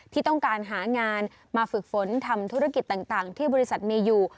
ที่ต้องการหางานมาฝึกฝนทำธุรกิจต่างที่บริษัทมีอยู่